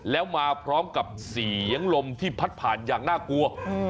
แล้วมาพร้อมกับเสียงลมที่พัดผ่านอย่างน่ากลัว